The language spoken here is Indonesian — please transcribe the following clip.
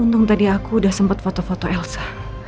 untung tadi aku udah sempat foto foto elsa